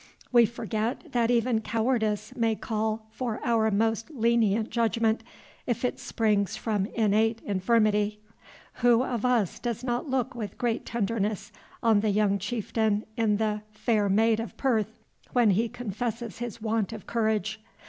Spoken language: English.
We forget that even cowardice may call for our most lenient judgment, if it spring from innate infirmity, Who of us does not look with great tenderness on the young chieftain in the "Fair Maid of Perth," when he confesses his want of courage?